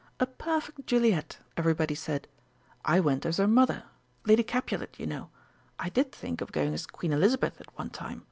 A perfect Juliet, everybody said. I went as her mother Lady Capulet, you know. I did think of going as Queen Elizabeth at one time.